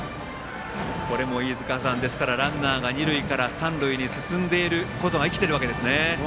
これも飯塚さん、ランナーが二塁から三塁に進んでいることが生きているわけですね。